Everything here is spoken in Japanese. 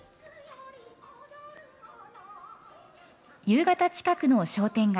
夕方近くの商店街。